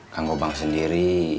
kalo bang sendiri